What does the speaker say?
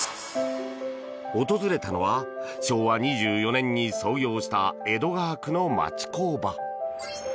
訪れたのは昭和２４年に創業した江戸川区の町工場。